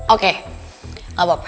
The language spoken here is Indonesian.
oke tidak apa apa